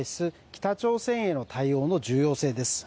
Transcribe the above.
北朝鮮への対応の重要性です。